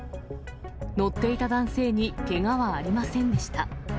乗っていた男性にけがはありませんでした。